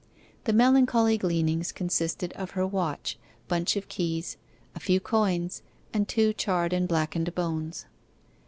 The melancholy gleanings consisted of her watch, bunch of keys, a few coins, and two charred and blackened bones.